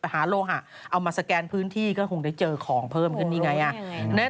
หาโลหะเอามาสแกนพื้นที่ก็คงได้เจอของเพิ่มขึ้นนี่ไง